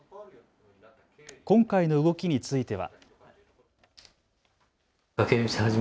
今回の動きについては。